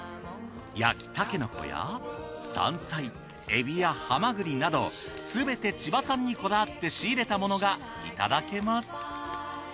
焼きタケノコや山菜エビやハマグリなどすべて千葉産にこだわって仕入れたものがいただけます。